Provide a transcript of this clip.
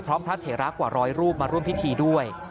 พระเถระกว่าร้อยรูปมาร่วมพิธีด้วย